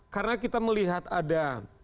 karena kita melihat ada